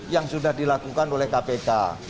yang sudah dilakukan oleh kpk